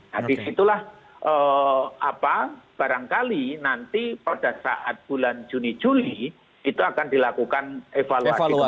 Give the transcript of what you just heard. nah disitulah barangkali nanti pada saat bulan juni juli itu akan dilakukan evaluasi kembali